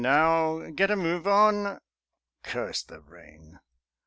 Now, get a move on!_" (Curse the rain.)